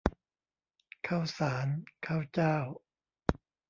ข้าวสารข้าวเจ้า